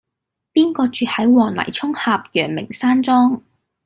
邊個住喺黃泥涌峽陽明山莊